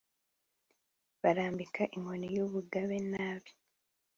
barambika inkoni y'ubugabe nabi...